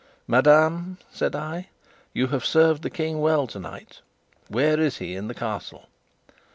"Madame," said I, "you have served the King well tonight. Where is he in the Castle?"